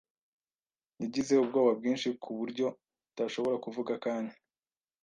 Yagize ubwoba bwinshi ku buryo atashobora kuvuga akanya.